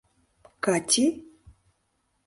Кати?